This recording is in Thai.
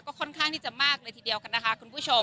ค่อนข้างที่จะมากเลยทีเดียวกันนะคะคุณผู้ชม